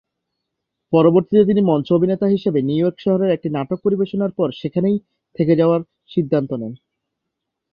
পরবর্তীতে তিনি মঞ্চ অভিনেতা হিসেবে নিউ ইয়র্ক শহরে একটি নাটক পরিবেশনার পরে সেখানেই থেকে যাওয়ার সিদ্ধান্ত নেন।